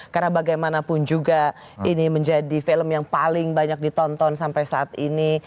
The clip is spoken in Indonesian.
karena bagaimanapun juga ini menjadi film yang paling banyak ditonton sampai saat ini